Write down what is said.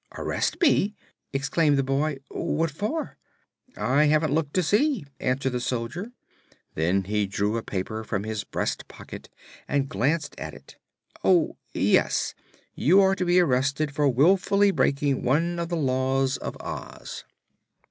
"Arrest me!" exclaimed the boy. "What for?" "I haven't looked to see," answered the soldier. Then he drew a paper from his breast pocket and glanced at it. "Oh, yes; you are to be arrested for willfully breaking one of the Laws of Oz."